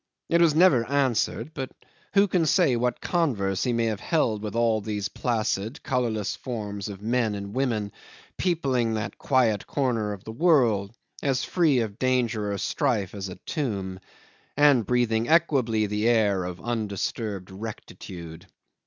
It was never answered, but who can say what converse he may have held with all these placid, colourless forms of men and women peopling that quiet corner of the world as free of danger or strife as a tomb, and breathing equably the air of undisturbed rectitude.